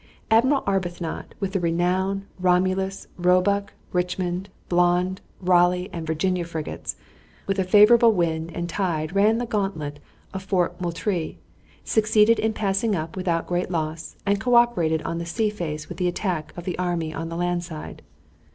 Admiral Arbuthnot, with the Renown, Romulus, Roebuck, Richmond, Blonde, Raleigh, and Virginia frigates, with a favorable wind and tide ran the gantlet of Fort Moultrie, succeeded in passing up without great loss, and co operated on the sea face with the attack of the army on the land side.